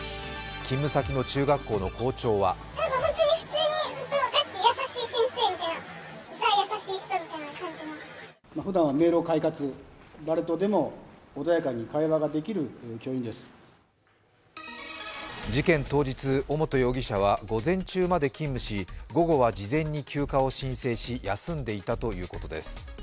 勤務先の中学校の校長は事件当日、尾本容疑者は午前中まで勤務し午後は事前に休暇を申請し休んでいたということです。